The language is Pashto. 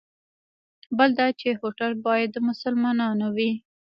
بل دا چې هوټل باید د مسلمانانو وي.